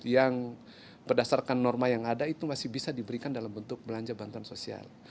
yang berdasarkan norma yang ada itu masih bisa diberikan dalam bentuk belanja bantuan sosial